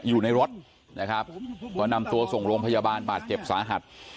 อยู่ในรถนะครับก็นำตัวส่งโรงพยาบาลบาดเจ็บสาหัส